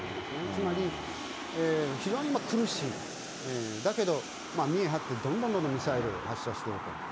つまり、非常に苦しい、だけど見え張ってどんどんどんどんミサイル発射してると。